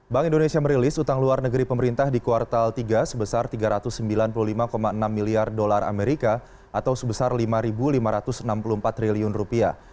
bank indonesia merilis utang luar negeri pemerintah di kuartal tiga sebesar tiga ratus sembilan puluh lima enam miliar dolar amerika atau sebesar lima lima ratus enam puluh empat triliun rupiah